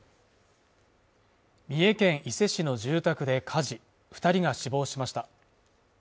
三重県伊勢市の住宅で火事二人が死亡しました